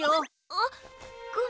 あっ？